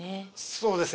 そうですね